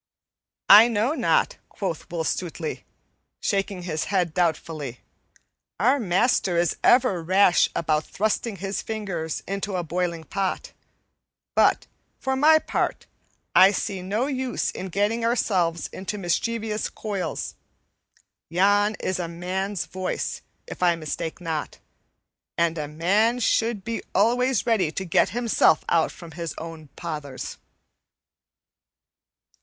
"I know not," quoth Will Stutely, shaking his head doubtfully, "our master is ever rash about thrusting his finger into a boiling pot; but, for my part, I see no use in getting ourselves into mischievous coils. Yon is a man's voice, if I mistake not, and a man should be always ready to get himself out from his own pothers."